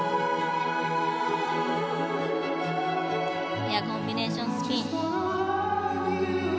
ペアコンビネーションスピン。